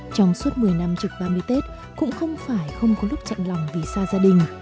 trong suốt một mươi năm trực ba mươi tết cũng không phải không có lúc chặn lòng vì xa gia đình